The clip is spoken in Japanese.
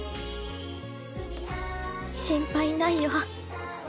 「心配ないよ。